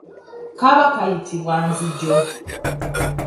Kaba kayitibwa nzijo.